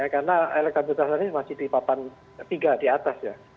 karena elektabilitas anies masih di papan tiga di atas ya